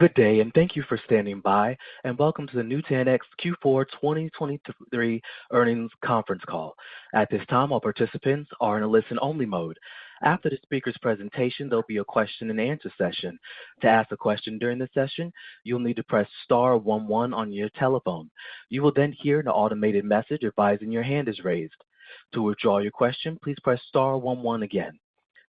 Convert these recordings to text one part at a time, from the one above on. Good day, and thank you for standing by, and welcome to the Nutanix Q4 2023 earnings conference call. At this time, all participants are in a listen-only mode. After the speaker's presentation, there'll be a question-and-answer session. To ask a question during the session, you'll need to press star one one on your telephone. You will then hear an automated message advising your hand is raised. To withdraw your question, please press star one one again.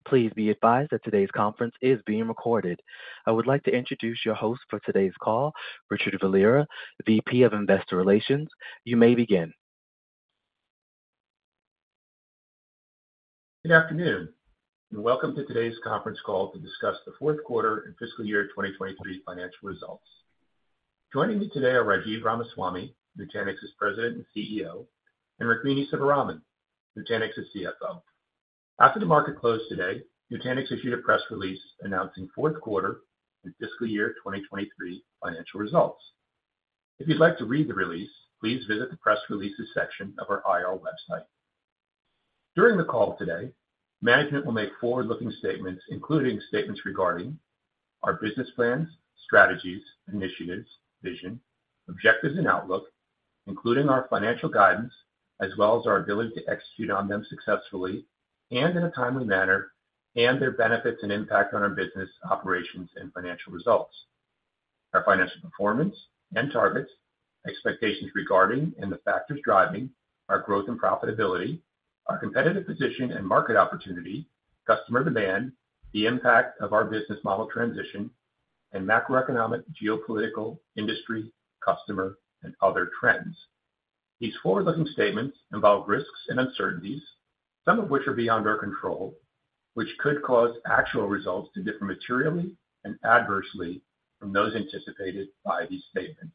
Please be advised that today's conference is being recorded. I would like to introduce your host for today's call, Richard Valera, VP of Investor Relations. You may begin. Good afternoon, and welcome to today's conference call to discuss the fourth quarter and fiscal year 2023 financial results. Joining me today are Rajiv Ramaswami, Nutanix's President and CEO, and Rukmini Sivaraman, Nutanix's CFO. After the market closed today, Nutanix issued a press release announcing fourth quarter and fiscal year 2023 financial results. If you'd like to read the release, please visit the press releases section of our IR website. During the call today, management will make forward-looking statements, including statements regarding our business plans, strategies, initiatives, vision, objectives, and outlook, including our financial guidance, as well as our ability to execute on them successfully and in a timely manner, and their benefits and impact on our business operations and financial results, our financial performance and targets, expectations regarding and the factors driving our growth and profitability, our competitive position and market opportunity, customer demand, the impact of our business model transition, and macroeconomic, geopolitical, industry, customer, and other trends. These forward-looking statements involve risks and uncertainties, some of which are beyond our control, which could cause actual results to differ materially and adversely from those anticipated by these statements.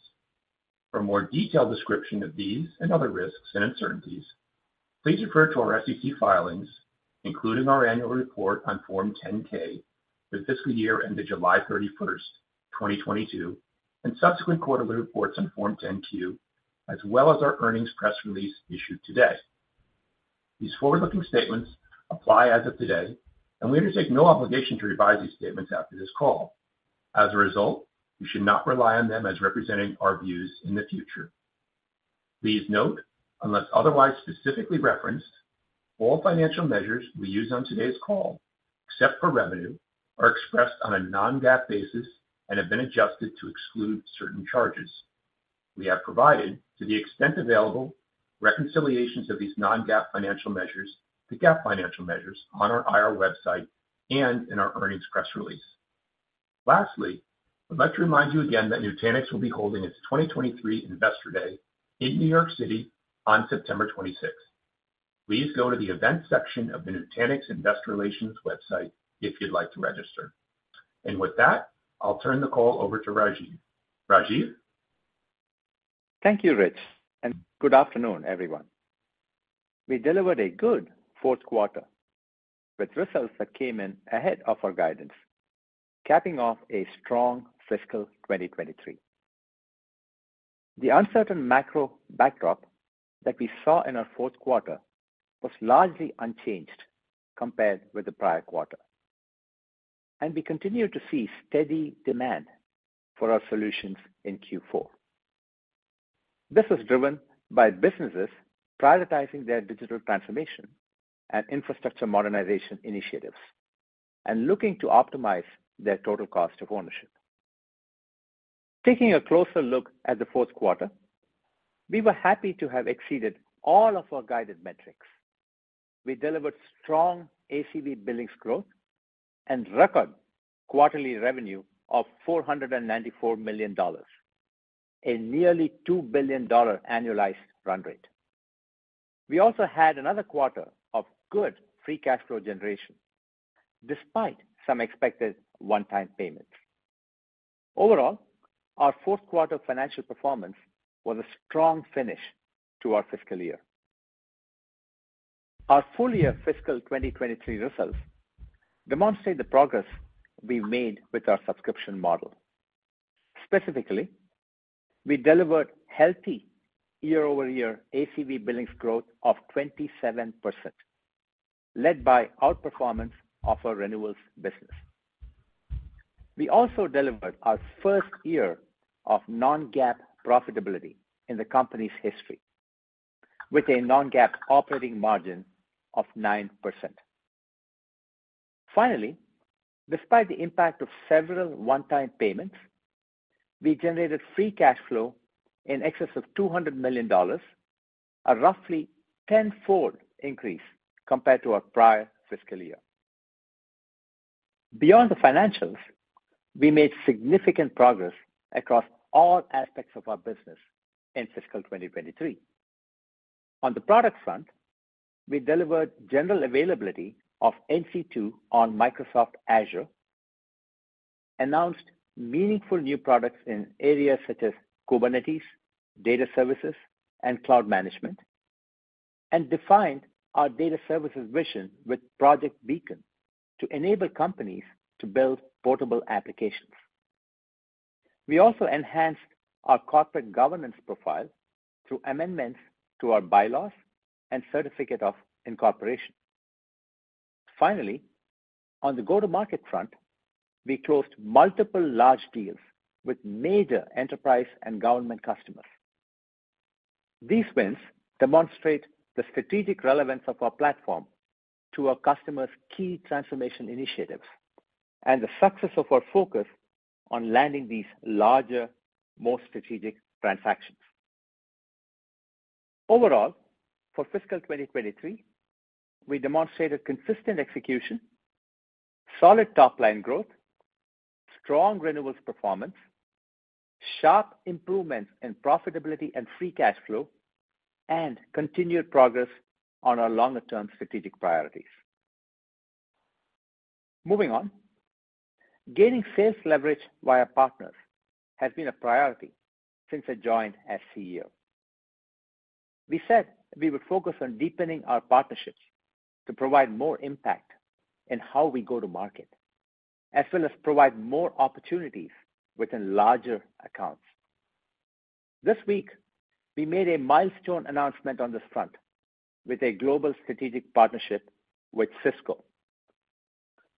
For a more detailed description of these and other risks and uncertainties, please refer to our SEC filings, including our annual report on Form 10-K for the fiscal year ended July 31, 2022, and subsequent quarterly reports on Form 10-Q, as well as our earnings press release issued today. These forward-looking statements apply as of today, and we undertake no obligation to revise these statements after this call. As a result, you should not rely on them as representing our views in the future. Please note, unless otherwise specifically referenced, all financial measures we use on today's call, except for revenue, are expressed on a non-GAAP basis and have been adjusted to exclude certain charges. We have provided, to the extent available, reconciliations of these non-GAAP financial measures to GAAP financial measures on our IR website and in our earnings press release. Lastly, I'd like to remind you again that Nutanix will be holding its 2023 Investor Day in New York City on September 26th. Please go to the events section of the Nutanix Investor Relations website if you'd like to register. With that, I'll turn the call over to Rajiv. Rajiv? Thank you, Rich, and good afternoon, everyone. We delivered a good fourth quarter with results that came in ahead of our guidance, capping off a strong fiscal 2023. The uncertain macro backdrop that we saw in our fourth quarter was largely unchanged compared with the prior quarter, and we continued to see steady demand for our solutions in Q4. This was driven by businesses prioritizing their digital transformation and infrastructure modernization initiatives and looking to optimize their total cost of ownership. Taking a closer look at the fourth quarter, we were happy to have exceeded all of our guided metrics. We delivered strong ACV billings growth and record quarterly revenue of $494 million, a nearly $2 billion annualized run rate. We also had another quarter of good free cash flow generation, despite some expected one-time payments. Overall, our fourth quarter financial performance was a strong finish to our fiscal year. Our full year fiscal 2023 results demonstrate the progress we made with our subscription model. Specifically, we delivered healthy year-over-year ACV billings growth of 27%, led by outperformance of our renewals business. We also delivered our first year of non-GAAP profitability in the company's history, with a non-GAAP operating margin of 9%. Finally, despite the impact of several one-time payments, we generated free cash flow in excess of $200 million, a roughly tenfold increase compared to our prior fiscal year. Beyond the financials, we made significant progress across all aspects of our business in fiscal 2023. ` We also enhanced our corporate governance profile through amendments to our bylaws and certificate of incorporation. Finally, on the go-to-market front, we closed multiple large deals with major enterprise and government customers. These wins demonstrate the strategic relevance of our platform to our customers' key transformation initiatives, and the success of our focus on landing these larger, more strategic transactions. Overall, for fiscal 2023, we demonstrated consistent execution, solid top-line growth, strong renewals performance, sharp improvements in profitability and free cash flow, and continued progress on our longer-term strategic priorities. Moving on. Gaining sales leverage via partners has been a priority since I joined as CEO. We said we would focus on deepening our partnerships to provide more impact in how we go to market, as well as provide more opportunities within larger accounts. This week, we made a milestone announcement on this front with a global strategic partnership with Cisco.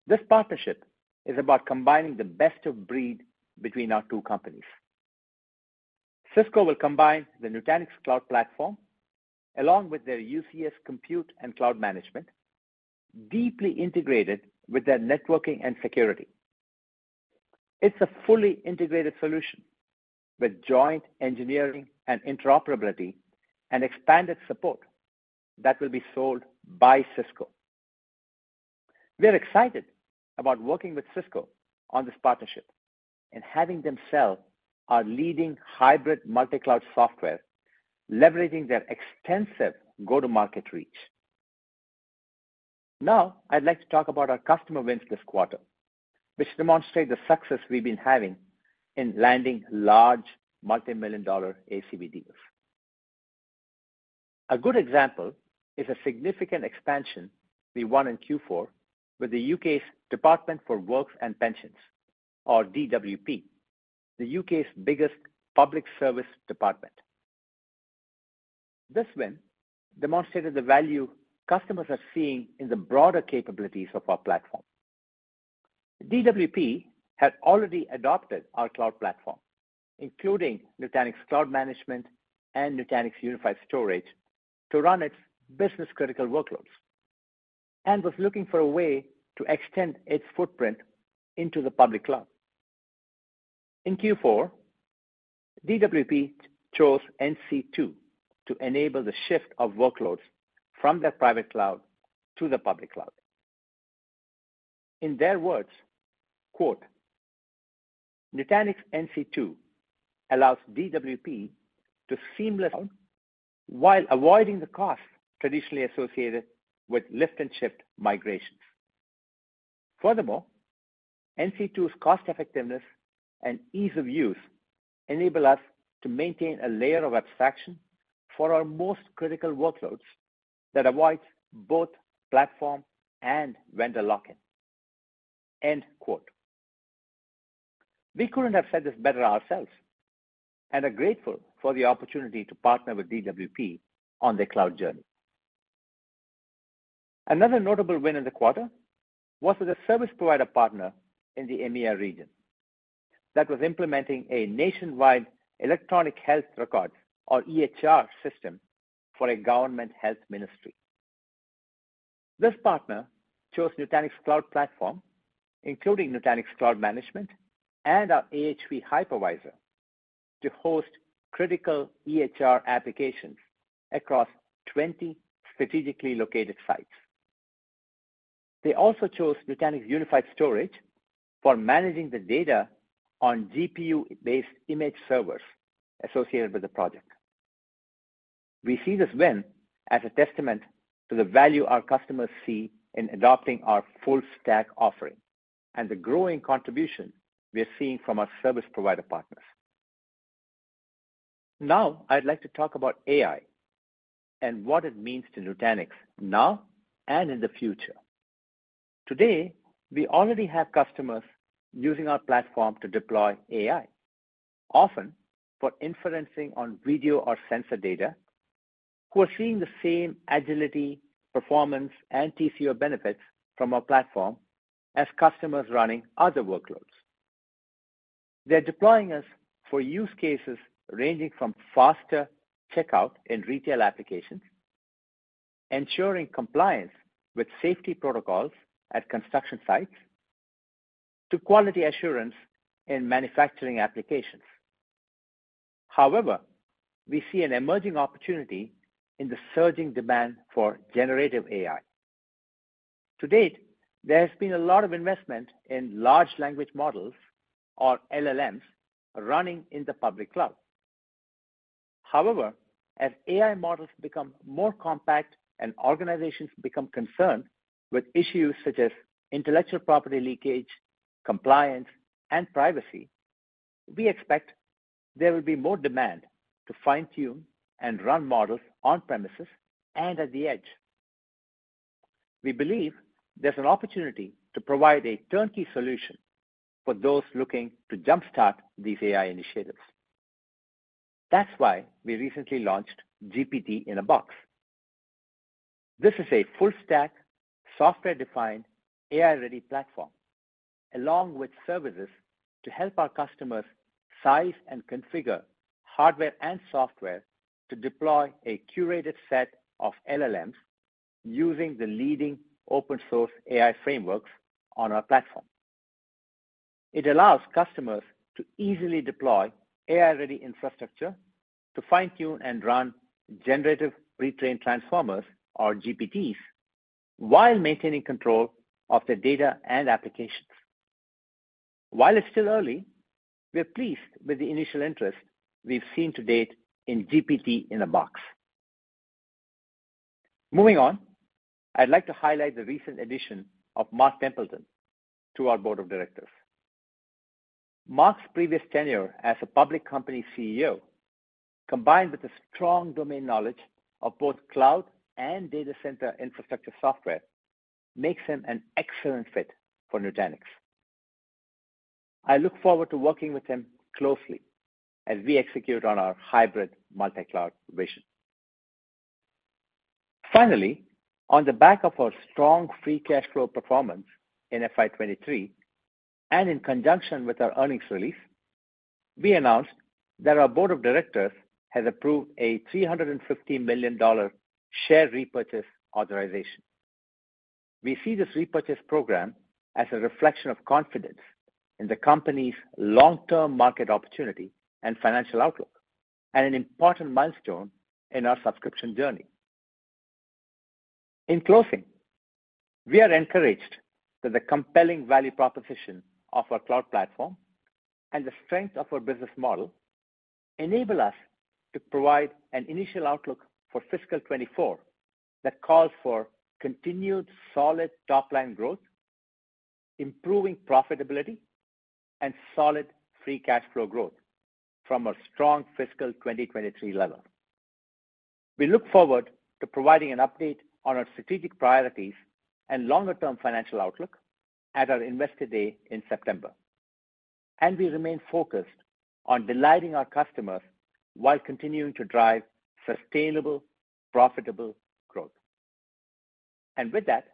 This partnership is about combining the best of breed between our two companies. Cisco will combine the Nutanix Cloud Platform, along with their UCS compute and cloud management, deeply integrated with their networking and security. It's a fully integrated solution with joint engineering and interoperability and expanded support that will be sold by Cisco. We are excited about working with Cisco on this partnership and having them sell our leading hybrid multi-cloud software, leveraging their extensive go-to-market reach. Now, I'd like to talk about our customer wins this quarter, which demonstrate the success we've been having in landing large multi-million-dollar ACV deals. A good example is a significant expansion we won in Q4 with the U.K.'s Department for Work & Pensions, or DWP, the U.K.'s biggest public service department. This win demonstrated the value customers are seeing in the broader capabilities of our platform. DWP had already adopted our cloud platform, including Nutanix Cloud Management and Nutanix Unified Storage, to run its business-critical workloads, and was looking for a way to extend its footprint into the public cloud. In Q4, DWP chose NC2 to enable the shift of workloads from their private cloud to the public cloud. In their words, quote, "Nutanix NC2 allows DWP to seamlessly... While avoiding the costs traditionally associated with lift and shift migrations. Furthermore, NC2's cost effectiveness and ease of use enable us to maintain a layer of abstraction for our most critical workloads that avoid both platform and vendor lock-in." End quote. We couldn't have said this better ourselves, and are grateful for the opportunity to partner with DWP on their cloud journey. Another notable win in the quarter was with a service provider partner in the EMEA region that was implementing a nationwide electronic health record, or EHR, system for a government health ministry. This partner chose Nutanix Cloud Platform, including Nutanix Cloud Management and our AHV Hypervisor, to host critical EHR applications across 20 strategically located sites. They also chose Nutanix Unified Storage for managing the data on GPU-based image servers associated with the project. We see this win as a testament to the value our customers see in adopting our full stack offering and the growing contribution we are seeing from our service provider partners. Now, I'd like to talk about AI and what it means to Nutanix now and in the future. Today, we already have customers using our platform to deploy AI, often for inferencing on video or sensor data, who are seeing the same agility, performance, and TCO benefits from our platform as customers running other workloads. They're deploying us for use cases ranging from faster checkout in retail applications, ensuring compliance with safety protocols at construction sites, to quality assurance in manufacturing applications. However, we see an emerging opportunity in the surging demand for generative AI. To date, there has been a lot of investment in large language models, or LLMs, running in the public cloud. However, as AI models become more compact and organizations become concerned with issues such as intellectual property leakage, compliance, and privacy, we expect there will be more demand to fine-tune and run models on-premises and at the edge. We believe there's an opportunity to provide a turnkey solution for those looking to jumpstart these AI initiatives.... That's why we recently launched GPT-in-a-Box. This is a full stack, software-defined, AI-ready platform, along with services to help our customers size and configure hardware and software to deploy a curated set of LLMs using the leading open-source AI frameworks on our platform. It allows customers to easily deploy AI-ready infrastructure to fine-tune and run generative pre-trained transformers, or GPTs, while maintaining control of their data and applications. While it's still early, we are pleased with the initial interest we've seen to date in GPT-in-a-Box. Moving on, I'd like to highlight the recent addition of Mark Templeton to our board of directors. Mark's previous tenure as a public company CEO, combined with a strong domain knowledge of both cloud and data center infrastructure software, makes him an excellent fit for Nutanix. I look forward to working with him closely as we execute on our hybrid multi-cloud vision. Finally, on the back of our strong free cash flow performance in FY 2023, and in conjunction with our earnings release, we announced that our board of directors has approved a $350 million share repurchase authorization. We see this repurchase program as a reflection of confidence in the company's long-term market opportunity and financial outlook, and an important milestone in our subscription journey. In closing, we are encouraged that the compelling value proposition of our cloud platform and the strength of our business model enable us to provide an initial outlook for fiscal 2024 that calls for continued solid top-line growth, improving profitability, and solid free cash flow growth from a strong fiscal 2023 level. We look forward to providing an update on our strategic priorities and longer-term financial outlook at our Investor Day in September, and we remain focused on delighting our customers while continuing to drive sustainable, profitable growth. And with that,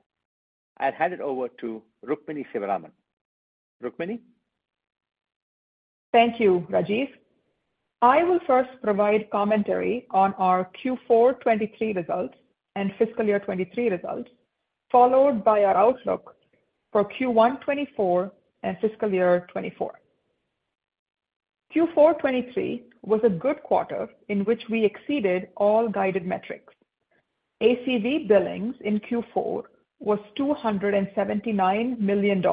I'll hand it over to Rukmini Sivaraman. Rukmini? Thank you, Rajiv. I will first provide commentary on our Q4 2023 results and fiscal year 2023 results, followed by our outlook for Q1 2024 and fiscal year 2024. Q4 2023 was a good quarter, in which we exceeded all guided metrics. ACV billings in Q4 was $279 million,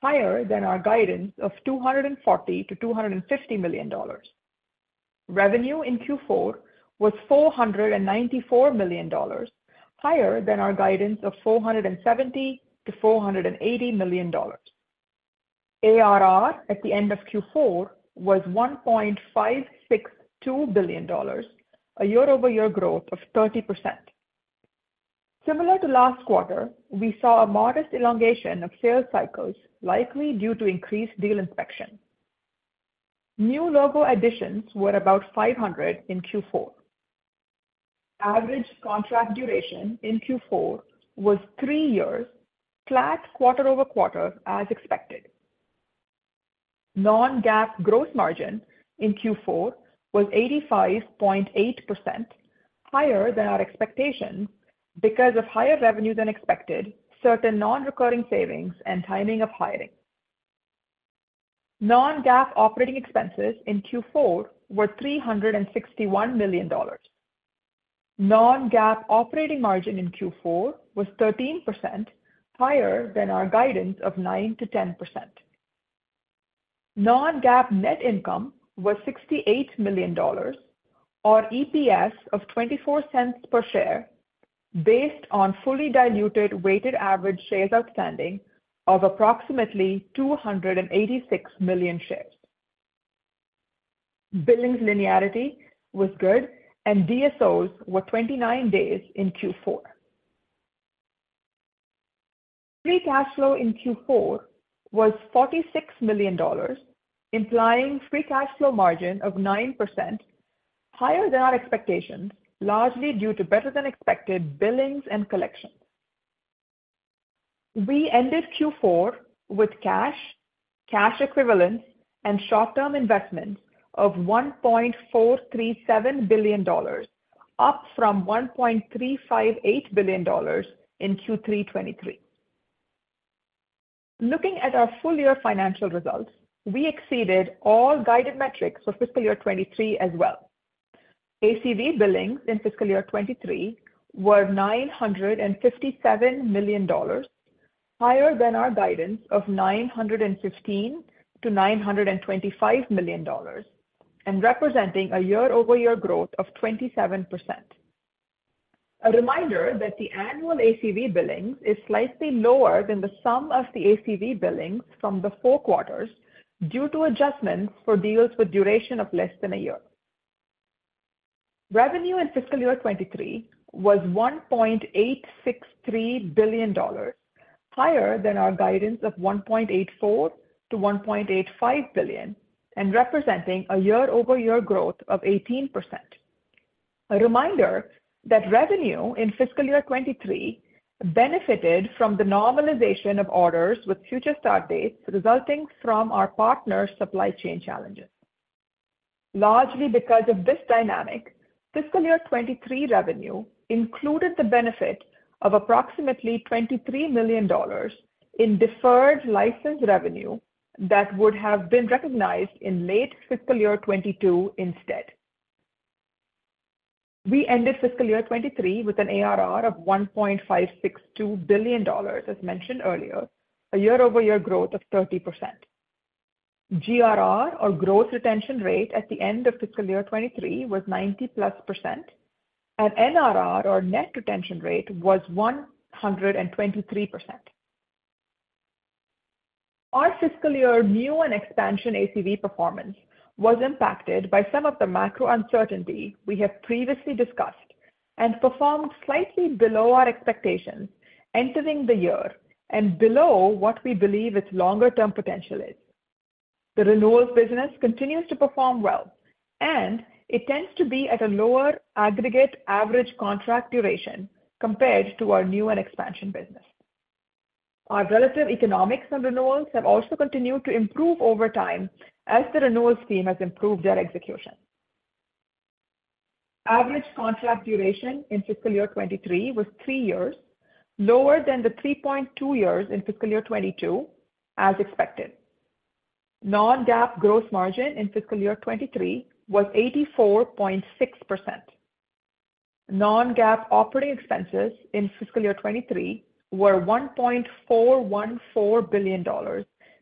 higher than our guidance of $240 million-$250 million. Revenue in Q4 was $494 million, higher than our guidance of $470 million-$480 million. ARR at the end of Q4 was $1.562 billion, a year-over-year growth of 30%. Similar to last quarter, we saw a modest elongation of sales cycles, likely due to increased deal inspection. New logo additions were about 500 in Q4. Average contract duration in Q4 was three years, flat quarter-over-quarter, as expected. Non-GAAP gross margin in Q4 was 85.8%, higher than our expectations because of higher revenue than expected, certain non-recurring savings, and timing of hiring. Non-GAAP operating expenses in Q4 were $361 million. Non-GAAP operating margin in Q4 was 13%, higher than our guidance of 9%-10%. Non-GAAP net income was $68 million, or EPS of $0.24 per share, based on fully diluted weighted average shares outstanding of approximately 286 million shares. Billings linearity was good, and DSOs were 29 days in Q4. Free cash flow in Q4 was $46 million, implying free cash flow margin of 9%, higher than our expectations, largely due to better than expected billings and collections. We ended Q4 with cash, cash equivalents, and short-term investments of $1.437 billion, up from $1.358 billion in Q3 2023. Looking at our full year financial results, we exceeded all guided metrics for fiscal year 2023 as well. ACV billings in fiscal year 2023 were $957 million, higher than our guidance of $915 million-$925 million, and representing a year-over-year growth of 27%. A reminder that the annual ACV billings is slightly lower than the sum of the ACV billings from the four quarters, due to adjustments for deals with duration of less than a year. Revenue in fiscal year 2023 was $1.863 billion, higher than our guidance of $1.84 billion-$1.85 billion, and representing a year-over-year growth of 18%. A reminder that revenue in fiscal year 2023 benefited from the normalization of orders with future start dates, resulting from our partners' supply chain challenges. Largely because of this dynamic, fiscal year 2023 revenue included the benefit of approximately $23 million in deferred license revenue that would have been recognized in late fiscal year 2022 instead. We ended fiscal year 2023 with an ARR of $1.562 billion, as mentioned earlier, a year-over-year growth of 30%. GRR or gross retention rate at the end of fiscal year 2023 was 90%+, and NRR or net retention rate was 123%. Our fiscal year new and expansion ACV performance was impacted by some of the macro uncertainty we have previously discussed, and performed slightly below our expectations entering the year and below what we believe its longer-term potential is. The renewals business continues to perform well, and it tends to be at a lower aggregate average contract duration compared to our new and expansion business. Our relative economics and renewals have also continued to improve over time as the renewals team has improved their execution. Average contract duration in fiscal year 2023 was three years, lower than the 3.2 years in fiscal year 2022, as expected. Non-GAAP gross margin in fiscal year 2023 was 84.6%. Non-GAAP operating expenses in fiscal year 2023 were $1.414 billion,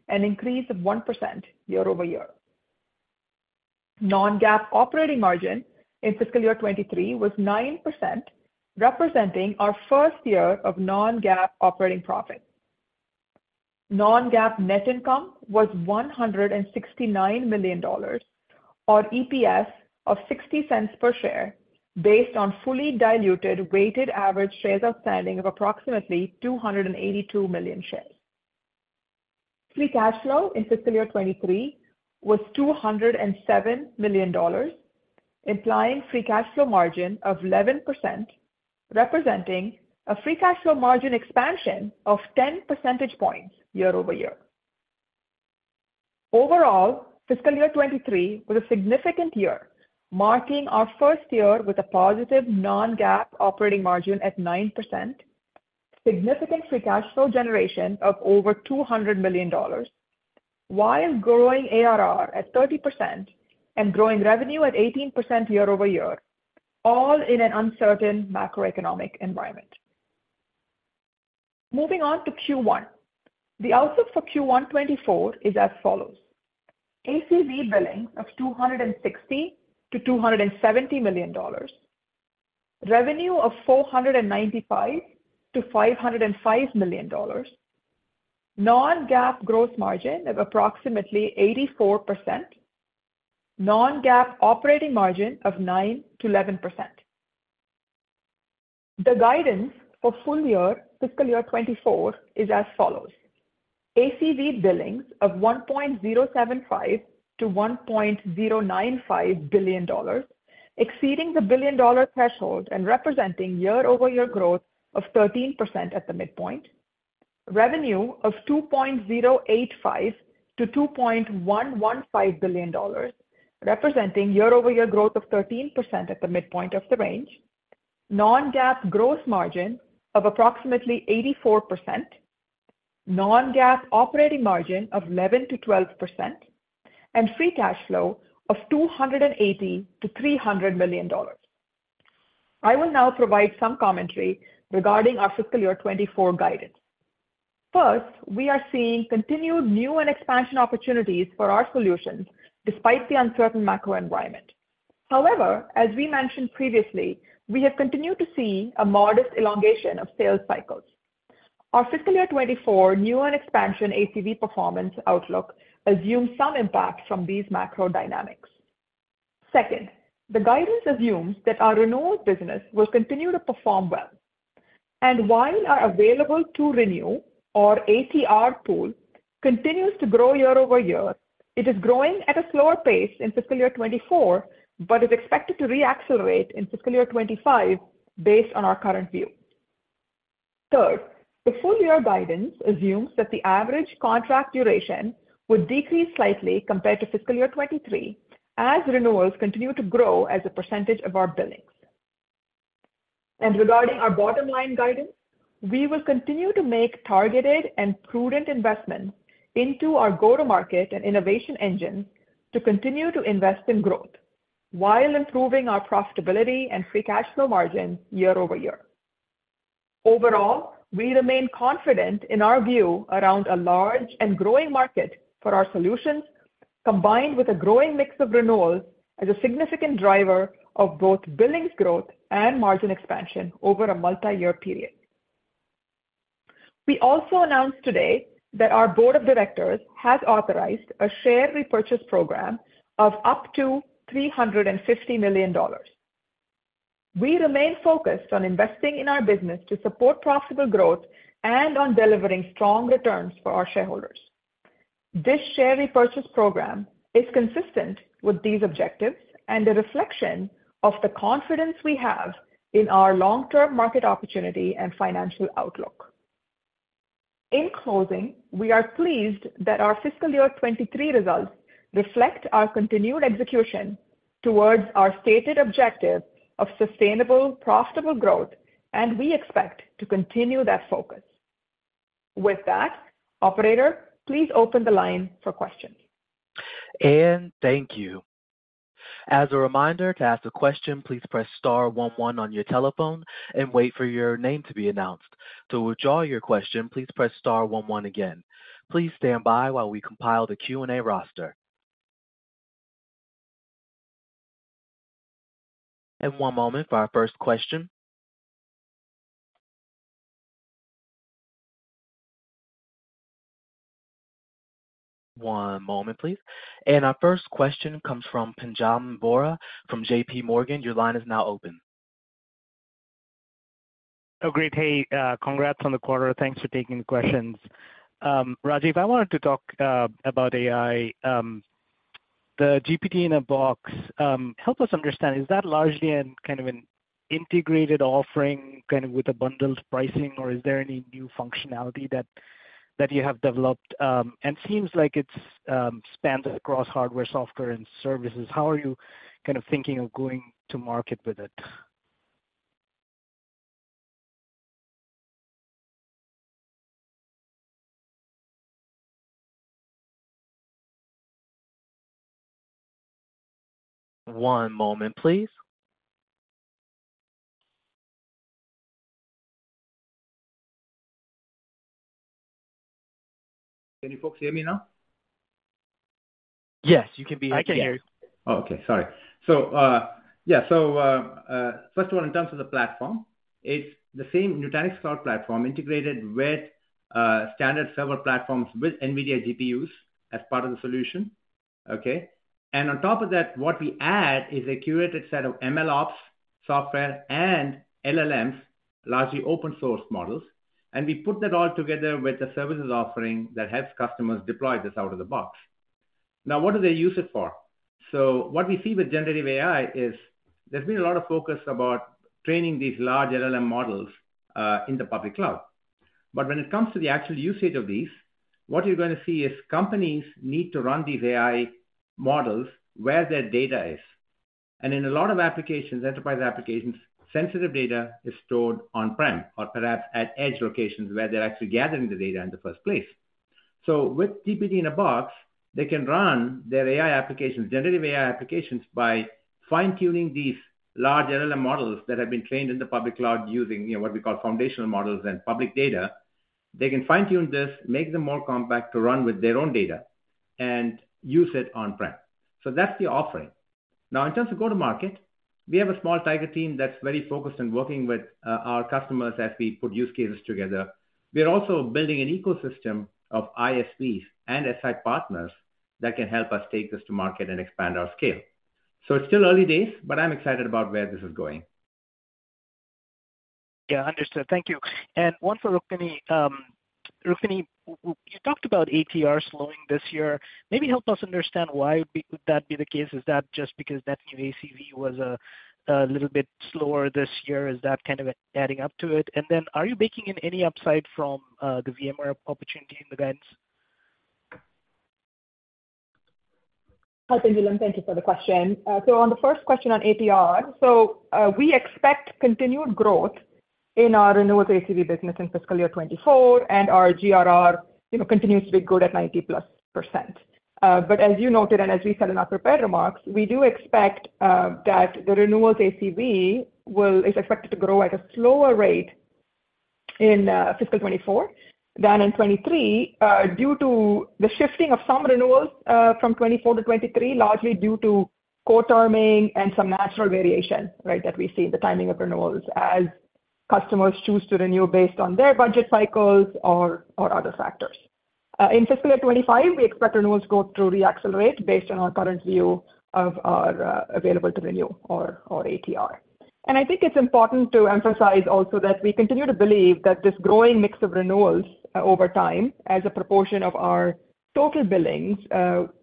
an increase of 1% year-over-year. Non-GAAP operating margin in fiscal year 2023 was 9%, representing our first year of non-GAAP operating profit. Non-GAAP net income was $169 million, or EPS of $0.60 per share, based on fully diluted weighted average shares outstanding of approximately 282 million shares. Free cash flow in fiscal year 2023 was $207 million, implying free cash flow margin of 11%, representing a free cash flow margin expansion of 10 percentage points year-over-year. Overall, fiscal year 2023 was a significant year, marking our first year with a positive non-GAAP operating margin at 9%, significant free cash flow generation of over $200 million, while growing ARR at 30% and growing revenue at 18% year-over-year, all in an uncertain macroeconomic environment. Moving on to Q1. The outlook for Q1 2024 is as follows: ACV billings of $260 million-$270 million, revenue of $495 million-$505 million, non-GAAP gross margin of approximately 84%, non-GAAP operating margin of 9%-11%. The guidance for full year fiscal year 2024 is as follows: ACV billings of $1.075 billion-$1.095 billion, exceeding the billion-dollar threshold and representing year-over-year growth of 13% at the midpoint, revenue of $2.085 billion-$2.115 billion, representing year-over-year growth of 13% at the midpoint of the range, non-GAAP gross margin of approximately 84%, non-GAAP operating margin of 11%-12%, and free cash flow of $280 million-$300 million. I will now provide some commentary regarding our fiscal year 2024 guidance. First, we are seeing continued new and expansion opportunities for our solutions despite the uncertain macro environment. However, as we mentioned previously, we have continued to see a modest elongation of sales cycles. Our fiscal year 2024 new and expansion ACV performance outlook assumes some impact from these macro dynamics. Second, the guidance assumes that our renewals business will continue to perform well. And while our available to renew or ATR pool continues to grow year over year, it is growing at a slower pace in fiscal year 2024, but is expected to re-accelerate in fiscal year 2025, based on our current view. Third, the full year guidance assumes that the average contract duration would decrease slightly compared to fiscal year 2023, as renewals continue to grow as a percentage of our billings. Regarding our bottom line guidance, we will continue to make targeted and prudent investments into our go-to-market and innovation engine to continue to invest in growth, while improving our profitability and free cash flow margin year over year. Overall, we remain confident in our view around a large and growing market for our solutions, combined with a growing mix of renewals as a significant driver of both billings growth and margin expansion over a multi-year period.... We also announced today that our board of directors has authorized a share repurchase program of up to $350 million. We remain focused on investing in our business to support profitable growth and on delivering strong returns for our shareholders. This share repurchase program is consistent with these objectives and a reflection of the confidence we have in our long-term market opportunity and financial outlook. In closing, we are pleased that our fiscal year 2023 results reflect our continued execution towards our stated objective of sustainable, profitable growth, and we expect to continue that focus. With that, operator, please open the line for questions. Thank you. As a reminder, to ask a question, please press star one one on your telephone and wait for your name to be announced. To withdraw your question, please press star one one again. Please stand by while we compile the Q&A roster. One moment for our first question. One moment, please. Our first question comes from Pinjalim Bora from JPMorgan. Your line is now open. Oh, great. Hey, congrats on the quarter. Thanks for taking the questions. Rajiv, I wanted to talk about AI, the GPT-in-a-Box. Help us understand, is that largely in kind of an integrated offering, kind of with a bundled pricing, or is there any new functionality that, that you have developed? And seems like it's spans across hardware, software, and services. How are you kind of thinking of going to market with it? One moment, please. Can you folks hear me now? Yes, you can be... I can hear you. Oh, okay. Sorry. So, yeah, so, first of all, in terms of the platform, it's the same Nutanix Cloud Platform, integrated with standard server platforms with NVIDIA GPUs as part of the solution. Okay? And on top of that, what we add is a curated set of MLOps software and LLMs, largely open source models. And we put that all together with the services offering that helps customers deploy this out of the box. Now, what do they use it for? So what we see with generative AI is there's been a lot of focus about training these large LLM models in the public cloud. But when it comes to the actual usage of these, what you're going to see is companies need to run these AI models where their data is. And in a lot of applications, enterprise applications, sensitive data is stored on-prem or perhaps at edge locations where they're actually gathering the data in the first place. So with GPT-in-a-Box, they can run their AI applications, generative AI applications, by fine-tuning these large LLM models that have been trained in the public cloud using, you know, what we call foundational models and public data. They can fine-tune this, make them more compact to run with their own data and use it on-prem. So that's the offering. Now, in terms of go-to-market, we have a small tiger team that's very focused on working with our customers as we put use cases together. We are also building an ecosystem of ISVs and SI partners that can help us take this to market and expand our scale. It's still early days, but I'm excited about where this is going. Yeah, understood. Thank you. And one for Rukmini. Rukmini, you talked about ATR slowing this year. Maybe help us understand why would be, would that be the case? Is that just because that new ACV was a little bit slower this year? Is that kind of adding up to it? And then are you baking in any upside from the VMware opportunity in the guidance? Hi, Pinjalim. Thank you for the question. So on the first question on ATR, we expect continued growth in our renewals ACV business in fiscal year 2024, and our GRR, you know, continues to be good at 90%+. But as you noted, and as we said in our prepared remarks, we do expect that the renewals ACV is expected to grow at a slower rate in fiscal 2024 than in 2023, due to the shifting of some renewals from 2024 to 2023, largely due to co-terming and some natural variation, right, that we see in the timing of renewals as customers choose to renew based on their budget cycles or other factors. In fiscal year 2025, we expect renewals growth to re-accelerate based on our current view of our available to renew or ATR. I think it's important to emphasize also that we continue to believe that this growing mix of renewals, over time, as a proportion of our total billings,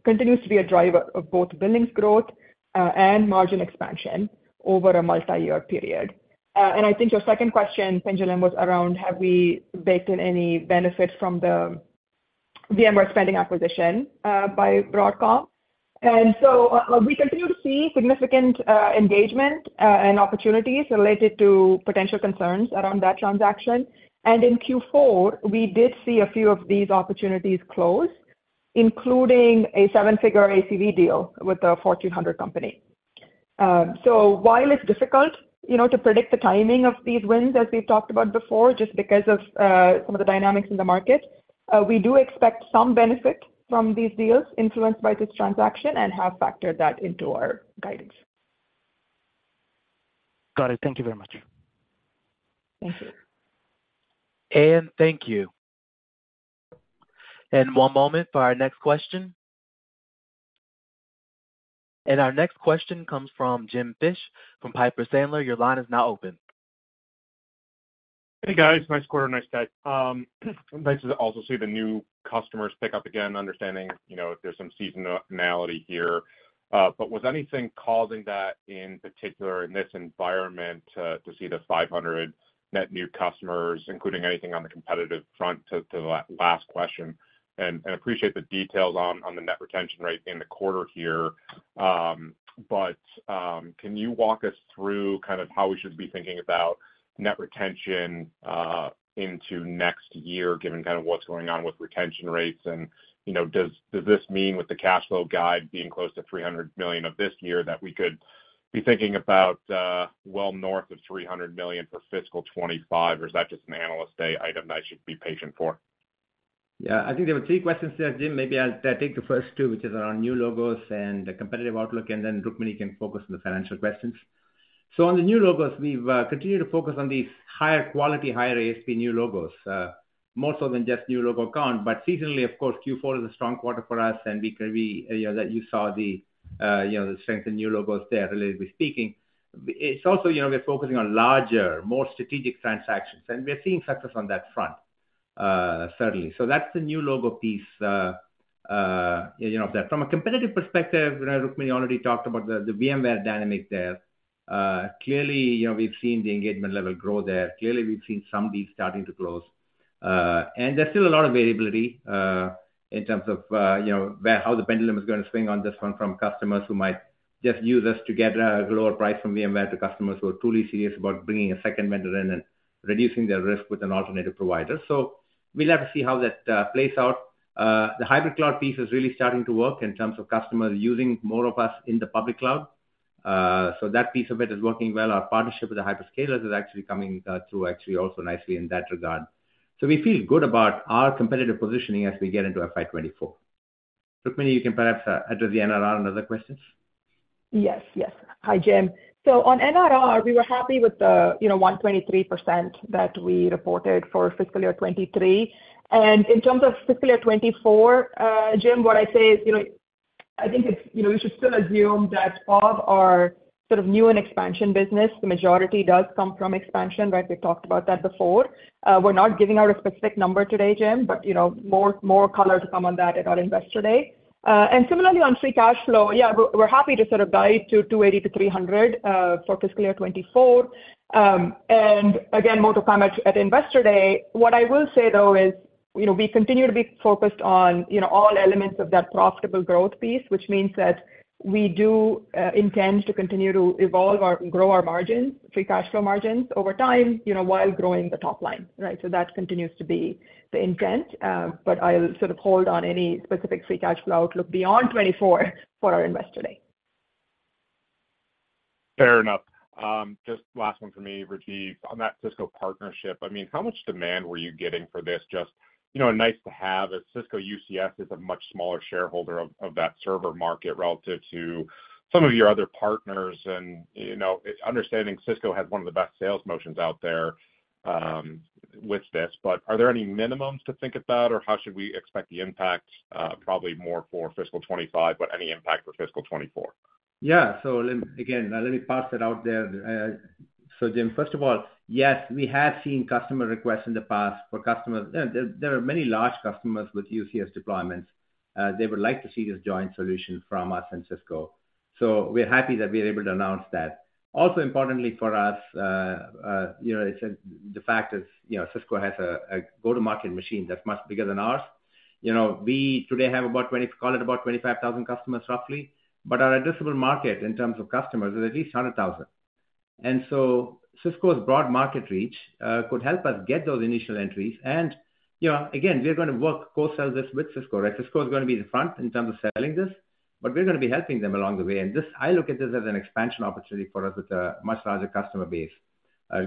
continues to be a driver of both billings growth, and margin expansion over a multi-year period. And I think your second question, Pinjalim, was around have we baked in any benefit from the VMware acquisition by Broadcom? And so we continue to see significant, engagement, and opportunities related to potential concerns around that transaction. And in Q4, we did see a few of these opportunities close, including a seven-figure ACV deal with a Fortune 100 company. While it's difficult, you know, to predict the timing of these wins, as we've talked about before, just because of some of the dynamics in the market, we do expect some benefit from these deals influenced by this transaction and have factored that into our guidance. Got it. Thank you very much. Thank you. Thank you. One moment for our next question. Our next question comes from Jim Fish from Piper Sandler. Your line is now open. Hey, guys. Nice quarter, nice day. Nice to also see the new customers pick up again, understanding, you know, there's some seasonality here. But was anything causing that in particular in this environment, to see the 500 net new customers, including anything on the competitive front to the last question? And appreciate the details on the net retention rate in the quarter here. But can you walk us through kind of how we should be thinking about net retention into next year, given kind of what's going on with retention rates? And, you know, does this mean with the cash flow guide being close to $300 million of this year, that we could be thinking about, well, north of $300 million for fiscal 2025, or is that just an Analyst Day item that I should be patient for? Yeah, I think there were three questions there, Jim. Maybe I'll take the first two, which is around new logos and the competitive outlook, and then Rukmini can focus on the financial questions. So on the new logos, we've continued to focus on the higher quality, higher ASP new logos, more so than just new logo count. But seasonally, of course, Q4 is a strong quarter for us, and we can be, you know, that you saw the, you know, the strength in new logos there, relatively speaking. It's also, you know, we're focusing on larger, more strategic transactions, and we are seeing success on that front, certainly. So that's the new logo piece, you know. From a competitive perspective, you know, Rukmini already talked about the VMware dynamic there. Clearly, you know, we've seen the engagement level grow there. Clearly, we've seen some deals starting to close. And there's still a lot of variability in terms of, you know, where, how the pendulum is gonna swing on this one from customers who might just use us to get a lower price from VMware to customers who are truly serious about bringing a second vendor in and reducing their risk with an alternative provider. So we'll have to see how that plays out. The hybrid cloud piece is really starting to work in terms of customers using more of us in the public cloud. So that piece of it is working well. Our partnership with the hyperscalers is actually coming through actually also nicely in that regard. So we feel good about our competitive positioning as we get into FY 2024. Rukmini, you can perhaps address the NRR and other questions. Yes, yes. Hi, Jim. So on NRR, we were happy with the, you know, 123% that we reported for fiscal year 2023. And in terms of fiscal year 2024, Jim, what I'd say is, you know, I think it's, you know, we should still assume that of our sort of new and expansion business, the majority does come from expansion, right? We talked about that before. We're not giving out a specific number today, Jim, but you know, more color to come on that at our Investor Day. And similarly on free cash flow, yeah, we're happy to sort of guide to $280 million-$300 million for fiscal year 2024. And again, more to come at Investor Day. What I will say, though, is, you know, we continue to be focused on, you know, all elements of that profitable growth piece, which means that we do intend to continue to evolve our, grow our margins, free cash flow margins over time, you know, while growing the top line, right? So that continues to be the intent, but I'll sort of hold on any specific free cash flow look beyond 2024 for our Investor Day. Fair enough. Just last one for me, Rajiv. On that Cisco partnership, I mean, how much demand were you getting for this? Just, you know, nice to have, as Cisco UCS is a much smaller shareholder of that server market relative to some of your other partners. And, you know, understanding Cisco has one of the best sales motions out there, with this, but are there any minimums to think about? Or how should we expect the impact? Probably more for fiscal 2025, but any impact for fiscal 2024. Yeah. So let me, again, let me put it out there. So Jim, first of all, yes, we have seen customer requests in the past for customers. There are many large customers with UCS deployments. They would like to see this joint solution from us and Cisco. So we're happy that we are able to announce that. Also importantly for us, you know, it's the fact is, you know, Cisco has a go-to-market machine that's much bigger than ours. You know, we today have about 20, call it about 25,000 customers, roughly, but our addressable market in terms of customers is at least 100,000. And so Cisco's broad market reach could help us get those initial entries. And, you know, again, we're gonna work, cross-sell this with Cisco, right? Cisco is gonna be the front in terms of selling this, but we're gonna be helping them along the way. This—I look at this as an expansion opportunity for us with a much larger customer base.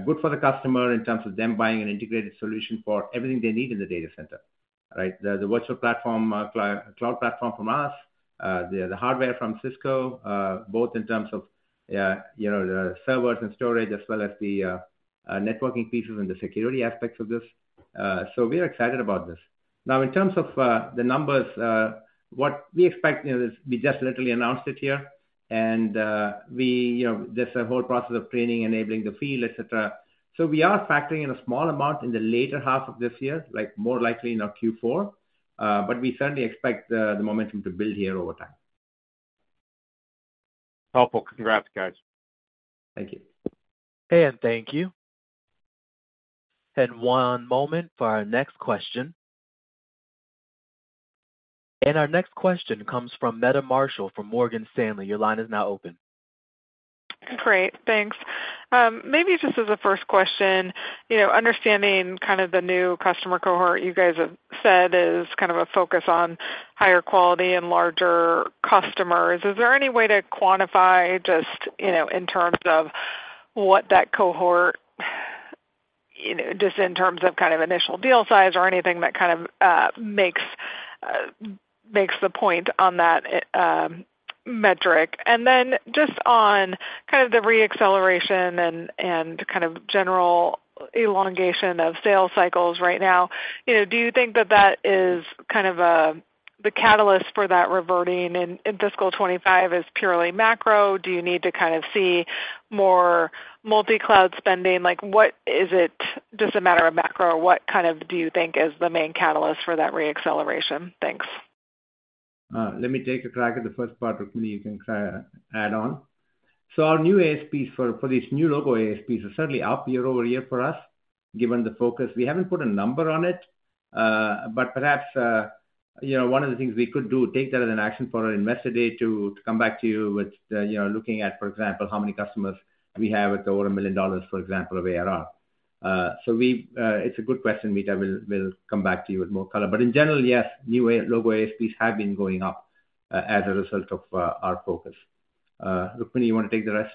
Good for the customer in terms of them buying an integrated solution for everything they need in the data center, right? The virtual platform, cloud platform from us, the hardware from Cisco, both in terms of, you know, the servers and storage, as well as the networking pieces and the security aspects of this. So we are excited about this. Now, in terms of the numbers, what we expect, you know, is we just literally announced it here, and we, you know, there's a whole process of training, enabling the field, et cetera. We are factoring in a small amount in the later half of this year, like more likely in our Q4, but we certainly expect the momentum to build here over time. Helpful. Congrats, guys. Thank you. Thank you. One moment for our next question. Our next question comes from Meta Marshall from Morgan Stanley. Your line is now open. Great, thanks. Maybe just as a first question, you know, understanding kind of the new customer cohort you guys have said is kind of a focus on higher quality and larger customers, is there any way to quantify just, you know, in terms of what that cohort... you know, just in terms of kind of initial deal size or anything that kind of makes the point on that metric. And then just on kind of the reacceleration and kind of general elongation of sales cycles right now, you know, do you think that that is kind of the catalyst for that reverting in fiscal 2025 is purely macro? Do you need to kind of see more multi-cloud spending? Like, what is it? Just a matter of macro, or what kind of do you think is the main catalyst for that reacceleration? Thanks. Let me take a crack at the first part, Rukmini. You can try add on. So our new ASPs for these new logo ASPs are certainly up year-over-year for us, given the focus. We haven't put a number on it, but perhaps you know, one of the things we could do, take that as an action for our Investor Day to come back to you with you know, looking at, for example, how many customers we have with over $1 million, for example, of ARR. So we it's a good question, Meta. We'll come back to you with more color. But in general, yes, new A- logo ASPs have been going up as a result of our focus. Rukmini, you want to take the rest?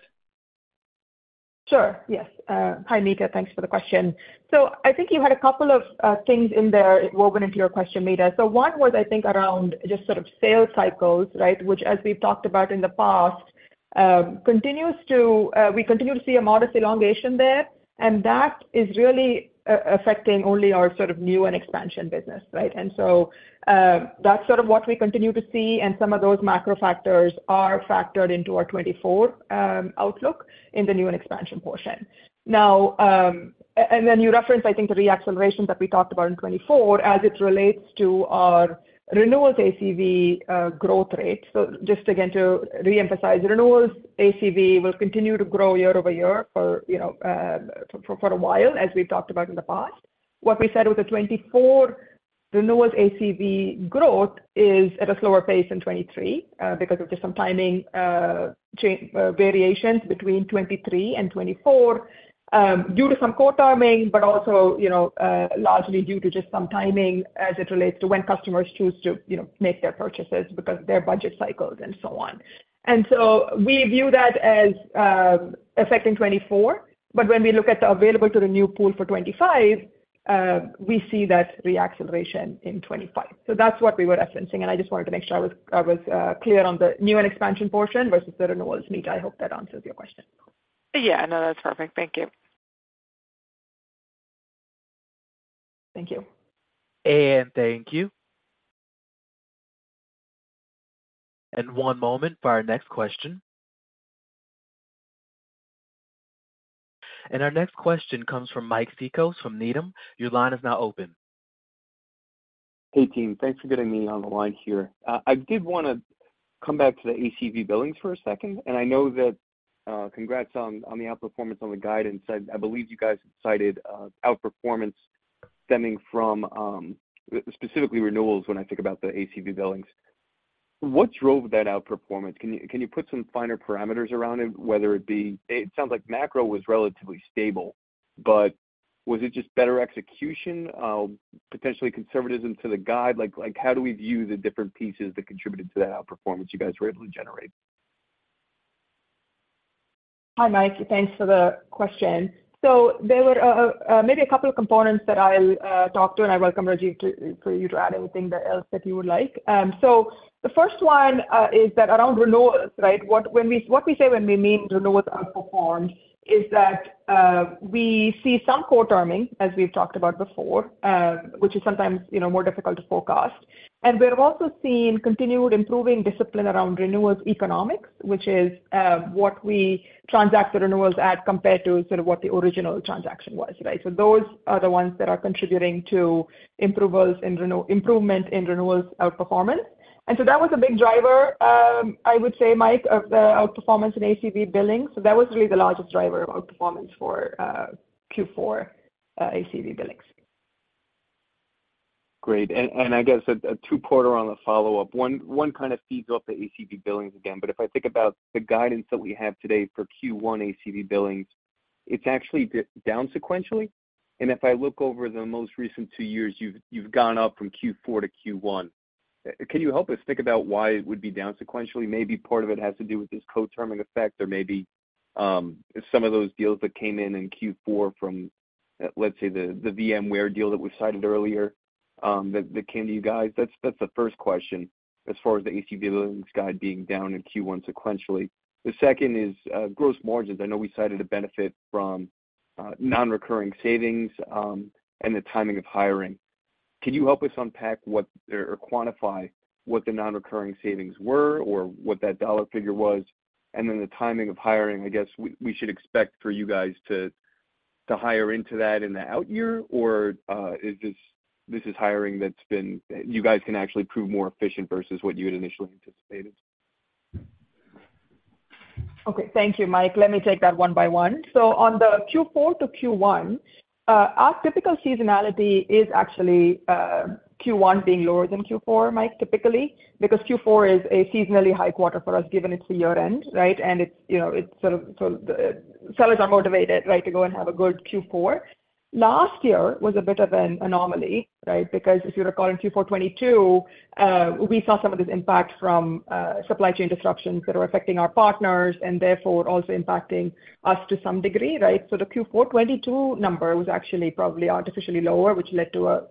Sure. Yes. Hi, Meta, thanks for the question. So I think you had a couple of things in there woven into your question, Meta. So one was, I think, around just sort of sales cycles, right? Which, as we've talked about in the past, we continue to see a modest elongation there, and that is really affecting only our sort of new and expansion business, right? And so, that's sort of what we continue to see, and some of those macro factors are factored into our 2024 outlook in the new and expansion portion. Now, and then you referenced, I think, the reacceleration that we talked about in 2024 as it relates to our renewals ACV growth rate. So just again, to reemphasize, renewals ACV will continue to grow year-over-year for, you know, for, for a while, as we've talked about in the past. What we said with the 2024 renewals ACV growth is at a slower pace in 2023, because of just some timing, variations between 2023 and 2024, due to some co-terming, but also, you know, largely due to just some timing as it relates to when customers choose to, you know, make their purchases because their budget cycles and so on. And so we view that as affecting 2024, but when we look at the available to renew pool for 2025, we see that reacceleration in 2025. So that's what we were referencing, and I just wanted to make sure I was clear on the new and expansion portion versus the renewals, Meta. I hope that answers your question. Yeah. No, that's perfect. Thank you. Thank you. Thank you. One moment for our next question. Our next question comes from Mike Cikos from Needham. Your line is now open. Hey, team. Thanks for getting me on the line here. I did wanna come back to the ACV billings for a second, and I know that, congrats on the outperformance on the guidance. I believe you guys have cited outperformance stemming from specifically renewals when I think about the ACV billings. What drove that outperformance? Can you put some finer parameters around it, whether it be... It sounds like macro was relatively stable, but was it just better execution, potentially conservatism to the guide? Like, how do we view the different pieces that contributed to that outperformance you guys were able to generate? Hi, Mike. Thanks for the question. So there were maybe a couple of components that I'll talk to, and I welcome Rajiv to add anything else that you would like. So the first one is that around renewals, right? What we say when we mean renewals outperformed is that we see some co-terming, as we've talked about before, which is sometimes, you know, more difficult to forecast. And we've also seen continued improving discipline around renewals economics, which is what we transact the renewals at, compared to sort of what the original transaction was, right? So those are the ones that are contributing to the improvement in renewals outperformance. And so that was a big driver, I would say, Mike, of the outperformance in ACV billings. That was really the largest driver of outperformance for Q4 ACV billings. Great. And I guess a two-part question on the follow-up. One kind of feeds off the ACV billings again, but if I think about the guidance that we have today for Q1 ACV billings, it's actually down sequentially. And if I look over the most recent two years, you've gone up from Q4 to Q1. Can you help us think about why it would be down sequentially? Maybe part of it has to do with this co-terming effect, or maybe some of those deals that came in in Q4 from, let's say, the VMware deal that we cited earlier, that came to you guys. That's the first question as far as the ACV billings guide being down in Q1 sequentially. The second is gross margins. I know we cited a benefit from non-recurring savings and the timing of hiring. Can you help us unpack what or quantify what the non-recurring savings were, or what that dollar figure was? And then the timing of hiring, I guess we should expect for you guys to hire into that in the out year, or is this, this is hiring that's been... You guys can actually prove more efficient versus what you had initially anticipated? Okay. Thank you, Mike. Let me take that one by one. So on the Q4 to Q1, our typical seasonality is actually Q1 being lower than Q4, Mike, typically, because Q4 is a seasonally high quarter for us, given it's the year-end, right? And it's, you know, it's so the sellers are motivated, right, to go and have a good Q4. Last year was a bit of an anomaly, right? Because if you recall, in Q4 2022, we saw some of this impact from supply chain disruptions that were affecting our partners and therefore also impacting us to some degree, right? So the Q4 2022 number was actually probably artificially lower, which led to a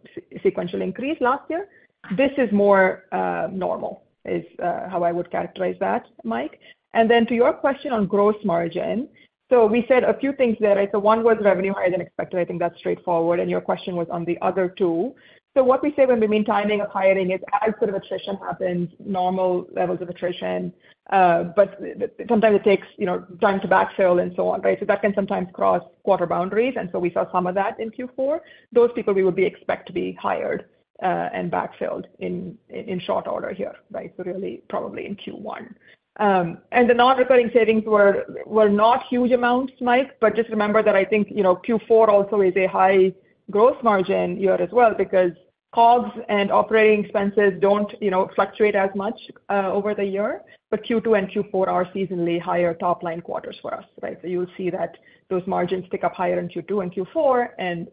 sequential increase last year. This is more normal, is how I would characterize that, Mike. And then to your question on gross margin. So we said a few things there, right? So one was revenue higher than expected. I think that's straightforward, and your question was on the other two. So what we say when we mean timing of hiring is as sort of attrition happens, normal levels of attrition, but sometimes it takes, you know, time to backfill and so on, right? So that can sometimes cross quarter boundaries, and so we saw some of that in Q4. Those people we would be expect to be hired, and backfilled in short order here, right? So really probably in Q1. And the non-recurring savings were not huge amounts, Mike, but just remember that I think, you know, Q4 also is a high growth margin year as well, because COGS and operating expenses don't, you know, fluctuate as much, over the year. But Q2 and Q4 are seasonally higher top-line quarters for us, right? So you'll see that those margins tick up higher in Q2 and Q4 and,